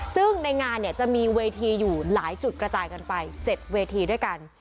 ซึ่งในงานเนี่ยจะมีเวทีอยู่หลายจุดกระจายกันไป๗เวทีด้วยกัน